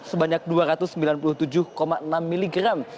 sebanyak dua ratus sembilan puluh tujuh enam miligram